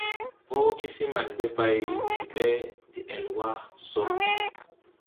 Hõõgesee man ɓe bay se ɓe de ɛl wa so.